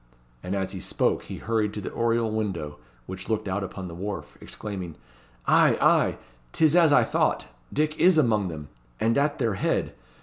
And as he spoke he hurried to the oriel window which looked out upon the wharf, exclaiming "Ay, ay, 't is as I thought. Dick is among them, and at their head.